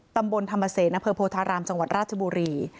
ตำบลธรรมเศษอำเภอโพธารามจังหวัดราชบุรี